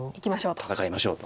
「戦いましょう」と。